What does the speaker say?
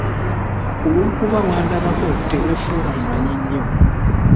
Olw'okuba wandabako tewefuula amanyi ennyo.